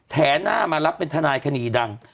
แหหน้ามารับเป็นทนายคดีดัง